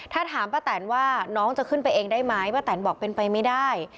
ถ้าถามป้าแตนว่าน้องจะขึ้นไปเองได้ไหมป้าแตนบอกเป็นไปไม่ได้